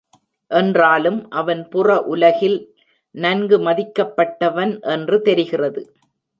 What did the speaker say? என்றாலும் அவன் புற உலகில் நன்கு மதிக்கப்பட்டவன் என்று தெரிகிறது.